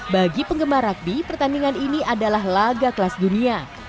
bagi penggemar rugby pertandingan ini adalah laga kelas dunia